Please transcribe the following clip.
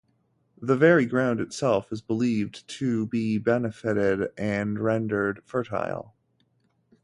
The very ground itself is believed to be benefitted and rendered fertile.